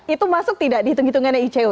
itu masuk tidak di hitung hitungannya icw